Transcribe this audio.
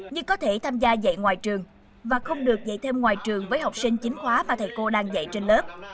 nhưng có thể tham gia dạy ngoài trường và không được dạy thêm ngoài trường với học sinh chính khóa mà thầy cô đang dạy trên lớp